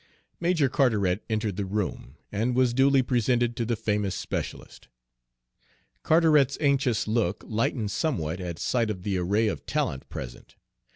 Major Carteret entered the room and was duly presented to the famous specialist. Carteret's anxious look lightened somewhat at sight of the array of talent present.